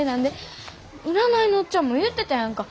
占いのおっちゃんも言うてたやんか。